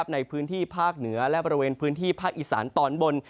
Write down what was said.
ในพื้นที่ภาคเหนือและบริเวณพื้นที่ภาคอีสานตอนบน